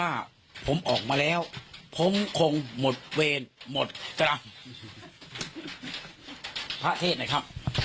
เออคือจริงถ้า